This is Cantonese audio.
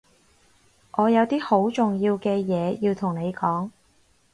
我有啲好重要嘅嘢要同你講